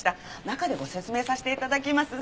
中でご説明させて頂きます。